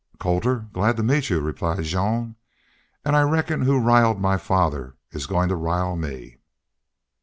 "Colter. Glad to meet you," replied Jean. "An' I reckon who riled my father is goin' to rile me."